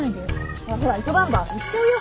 ほらほら急がんば行っちゃうよ。